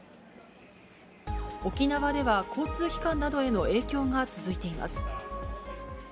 沖縄では交通機関などへの影響が続いています。